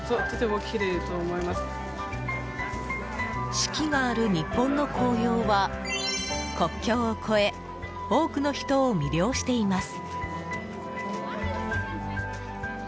四季がある日本の紅葉は国境を越え多くの人を魅了しています。